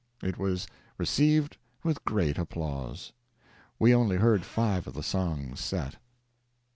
It was received with great applause. We only heard five of the songs set...